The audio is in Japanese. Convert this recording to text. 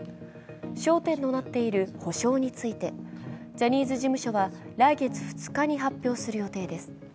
焦点となっている補償についてジャニーズ事務所は来月２日に発表する予定です。